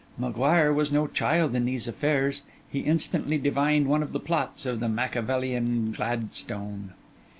M'Guire was no child in these affairs; he instantly divined one of the plots of the Machiavellian Gladstone.